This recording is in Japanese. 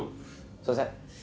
すいません。